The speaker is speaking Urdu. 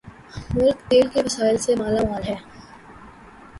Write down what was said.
ملک تیل کے وسائل سے مالا مال ہے